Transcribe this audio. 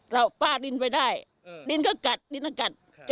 ป้าดินไปได้ดินก็กัดดินก็กัด